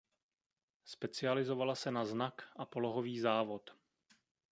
Specializovala se na znak a polohový závod.